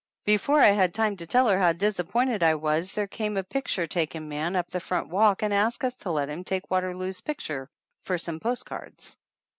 Before I had time to tell her how disap pointed I was there came a picture taking man up the front walk and asked us to let him take Waterloo's picture for some post cards.